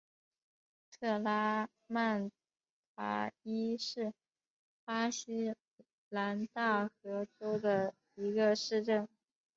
特拉曼达伊是巴西南大河州的一个市镇。